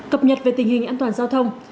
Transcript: cập nhật về tình hình an toàn giao thông